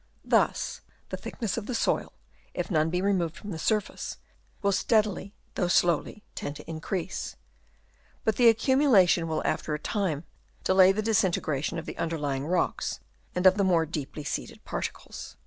Thus the thickness of the soil, if none be re moved from the surface, will steadily though slowly tend to increase ; but the accumulation will after a time delay the disintegration of the underlying rocks and of the more deeply seated particles.